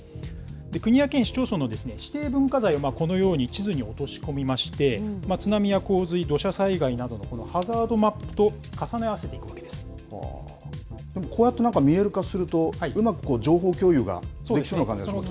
国や県、市町村の指定文化財をこのように地図に落とし込みまして、津波や洪水、土砂災害などのハザードマップと重ね合わせているわこうやって見える化すると、うまく情報共有ができそうな感じがしますね。